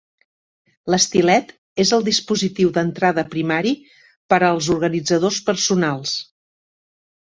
L'estilet és el dispositiu d'entrada primari per als organitzadors personals.